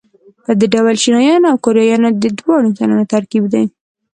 په دې ډول چینایان او کوریایان د دواړو انسانانو ترکیب دي.